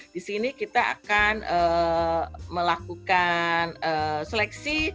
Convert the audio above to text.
di sini kita akan melakukan seleksi